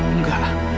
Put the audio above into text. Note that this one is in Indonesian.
tidak ada reaksi dok